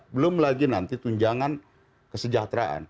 belum lagi nanti tunjangan kesejahteraan